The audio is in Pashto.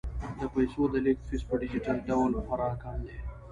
د پيسو د لیږد فیس په ډیجیټل ډول خورا کم دی.